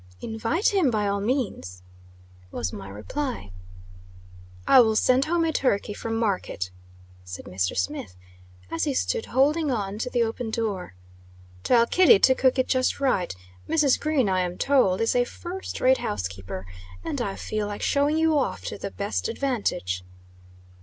"Invite him, by all means," was my reply. "I will send home a turkey from market," said Mr. Smith, as he stood holding on to the open door. "Tell Kitty to cook it just right. Mrs. Green, I am told, is a first rate housekeeper, and I feel like showing you off to the best advantage."